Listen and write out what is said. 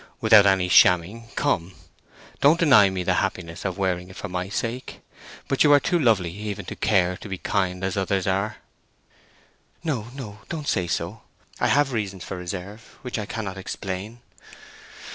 Without any shamming, come! Don't deny me the happiness of wearing it for my sake? But you are too lovely even to care to be kind as others are." "No, no; don't say so! I have reasons for reserve which I cannot explain."